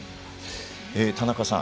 田中さん